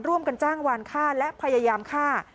ร่วมกันจ้างวานฆ่าและพยายามฆ่า